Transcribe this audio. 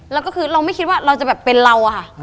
แล้วก็คือเราไม่คิดว่าเราจะแบบเป็นเราอะค่ะ